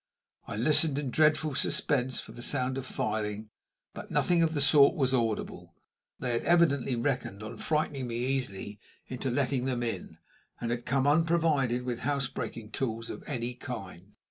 I listened in dreadful suspense for the sound of filing, but nothing of the sort was audible. They had evidently reckoned on frightening me easily into letting them in, and had come unprovided with house breaking tools of any kind.